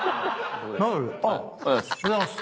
おはようございます。